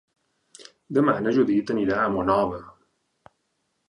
Demà na Judit anirà a Monòver.